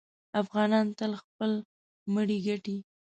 افغانان تل خپل مړی ګټي.